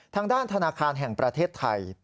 ทางด้านธนาคารแห่งประเทศไทย